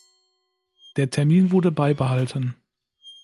Der Termin wurde beibehalten.